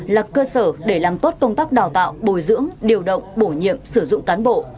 là cơ sở để làm tốt công tác đào tạo bồi dưỡng điều động bổ nhiệm sử dụng cán bộ